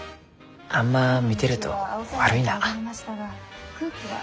あんま見てると悪いな。ですね。